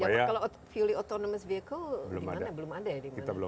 ya kalau fully autonomous vehicle belum ada ya dimana